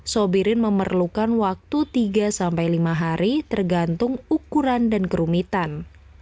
sobirin memerlukan waktu tiga sampai lima hari tergantung ukuran dan kerumitan